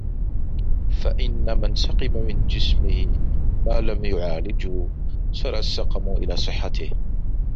فَإِنَّ مَنْ سَقِمَ مِنْ جِسْمِهِ مَا لَمْ يُعَالِجْهُ سَرَى السَّقَمُ إلَى صِحَّتِهِ